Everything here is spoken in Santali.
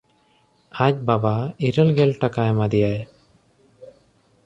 ᱟᱡ ᱵᱟᱵᱟ ᱤᱨᱟᱹᱞ ᱜᱮᱞ ᱴᱟᱠᱟ ᱮᱢᱟ ᱫᱮᱭᱟᱭ᱾